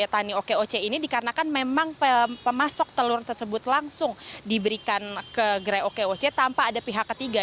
tani okoc ini dikarenakan memang pemasok telur tersebut langsung diberikan ke gerai okoc tanpa ada pihak ketiga